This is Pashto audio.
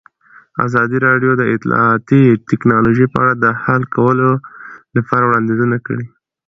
ازادي راډیو د اطلاعاتی تکنالوژي په اړه د حل کولو لپاره وړاندیزونه کړي.